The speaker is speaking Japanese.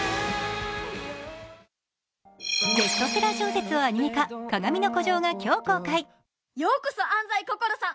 ベストセラー小説をアニメ化「かがみの孤城」が今日公開。